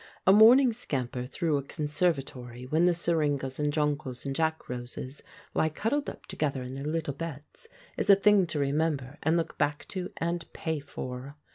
A morning scamper through a conservatory when the syringas and Jonquils and Jack roses lie cuddled up together in their little beds, is a thing to remember and look back to and pay for.